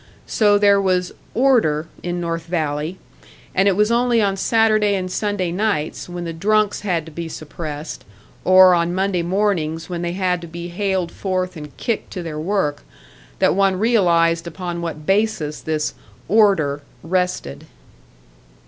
So there was "order" in North Valley, and it was only on Saturday and Sunday nights, when the drunks had to be suppressed, or on Monday mornings when they had to be haled forth and kicked to their work, that one realised upon what basis this "order" rested.